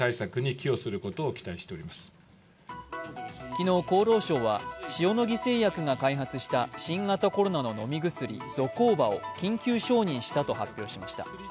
昨日、厚労省は塩野義製薬が開発した新型コロナの飲み薬ゾコーバを緊急承認したと発表しました。